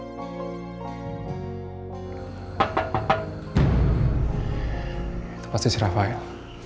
itu pasti si rafael